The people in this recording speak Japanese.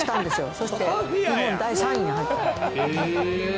そして日本第３位に入った。